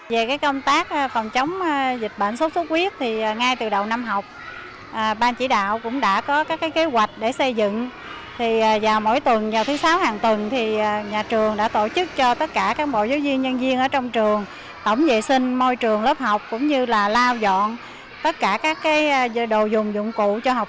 để kéo giảm số trẻ em bị mắc bệnh xuất xuất huyết ngay từ đầu năm học hai nghìn một mươi chín hai nghìn hai mươi